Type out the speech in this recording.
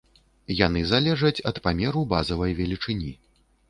Яны залежаць ад памеру базавай велічыні.